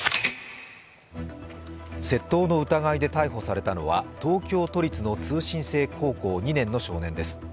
窃盗の疑いで逮捕されたのは東京都立の通信制高校２年の少年です。